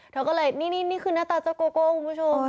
เธอก็เลยนี่คือหน้าตาเจ้าโกโก้คุณผู้ชม